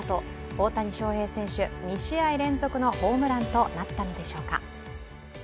大谷翔平選手、２試合連続のホームランとなったのでしょうか。